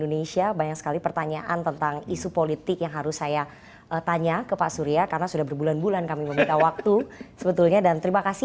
presiden jokowi mengumpulkan presiden jokowi untuk mencari penyelesaian dari jokowi